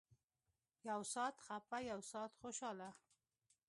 يو سات خپه يو سات خوشاله.